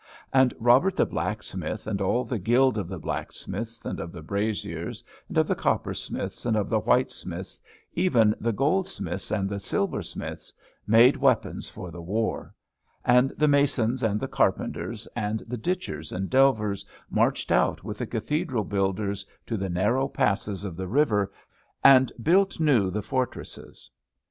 And Robert the Blacksmith, and all the guild of the blacksmiths, and of the braziers, and of the coppersmiths, and of the whitesmiths, even the goldsmiths, and the silversmiths, made weapons for the war; and the masons and the carpenters, and the ditchers and delvers marched out with the cathedral builders to the narrow passes of the river, and built new the fortresses.